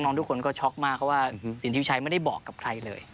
ทุกคนก็ช็อกมากเพราะว่าสินทิวชัยไม่ได้บอกกับใครเลย